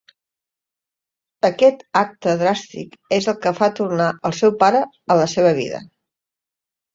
Aquest acte dràstic és el que fa tornar el seu pare a la seva vida.